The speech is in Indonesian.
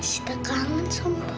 sita kangen sama bapak